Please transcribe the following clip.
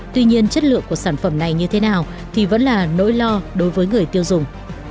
tuy nhiên chất lượng của sản phẩm này như thế nào thì vẫn là nỗi lo đối với người tiêu dùng